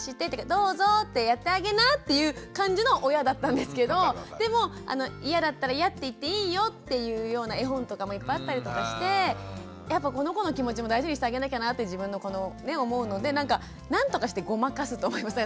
「どうぞってやってあげな」っていう感じの親だったんですけどでもイヤだったらイヤって言っていいよっていうような絵本とかもいっぱいあったりとかしてやっぱこの子の気持ちも大事にしてあげなきゃなって自分の子の思うのでなんかなんとかしてごまかすと思います。